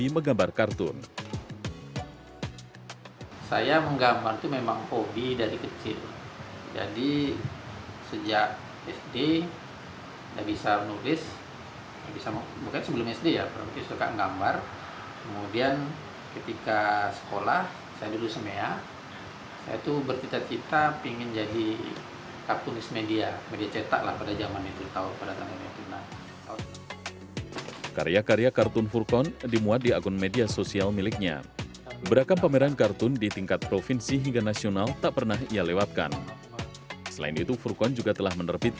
melalui media kartun dirinya dapat menyampaikan aspirasi orang orang yang tidak bisa menyuarakan pendapat